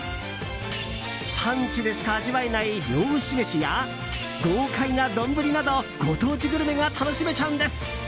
産地でしか味わえない漁師飯や豪快な丼などご当地グルメが楽しめちゃうんです。